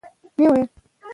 بې لارۍ نه رامنځته کېږي.